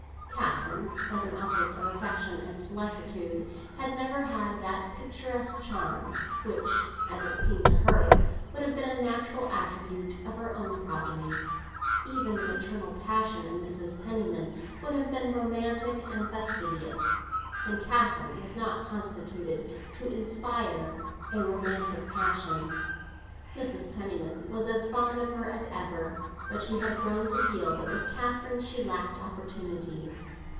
Catherine, as an object of affection and solicitude, had never had that picturesque charm which (as it seemed to her) would have been a natural attribute of her own progeny. Even the maternal passion in Mrs. Penniman would have been romantic and factitious, and Catherine was not constituted to inspire a romantic passion. Mrs. Penniman was as fond of her as ever, but she had grown to feel that with Catherine she lacked opportunity.